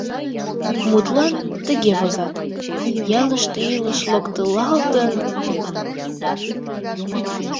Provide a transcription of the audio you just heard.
Мутлан, тыге возат: «Ялыште илыш локтылалтын...